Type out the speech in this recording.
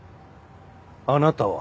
あなたは？